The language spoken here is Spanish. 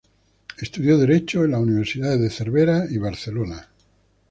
Estudió Derecho en las universidades de Cervera y Barcelona.